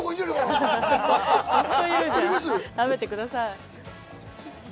食べてください。